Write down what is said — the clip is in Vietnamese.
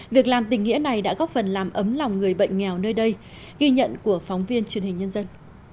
việc làm tình nghĩa này đã góp phần làm ấm lòng người bệnh nghèo nơi đây ghi nhận của phóng viên truyền hình nhân dân